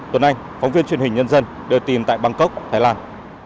tuấn anh phóng viên truyền hình nhân dân đều tìm tại bangkok thái lan